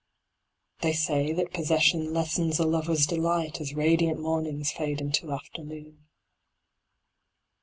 They say that Possession lessens a lover's delight, As radiant mornings fade into afternoon.